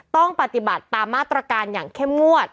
ต้องปฏิบัติตามมาตรการอย่างเข้มงวด